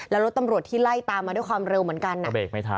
แล้วรถตำรวจที่ไล่ตามมาด้วยความเร็วเหมือนกัน